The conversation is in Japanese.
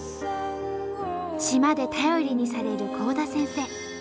島で頼りにされる幸多先生。